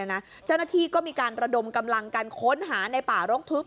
ก็ตอบว่าเจ้าหน้าที่ก็มีการระดมกำลังการค้นหาในป่าโร๊คทึ่บ